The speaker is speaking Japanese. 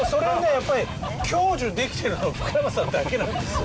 やっぱり享受できてるのは福山さんだけなんですよ